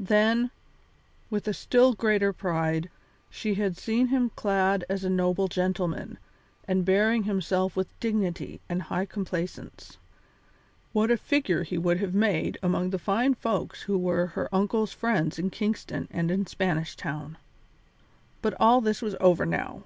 Then, with a still greater pride, she had seen him clad as a noble gentleman and bearing himself with dignity and high complacence. What a figure he would have made among the fine folks who were her uncle's friends in Kingston and in Spanish Town! But all this was over now.